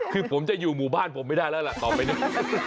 คือผมจะอยู่หมู่บ้านผมไม่ได้แล้วล่ะต่อไปนี้